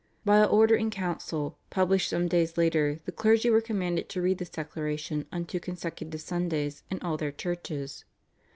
By a order in council, published some days later, the clergy were commanded to read this declaration on two consecutive Sundays in all their churches.